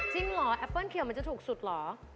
เหรอแอปเปิ้ลเขียวมันจะถูกสุดเหรอ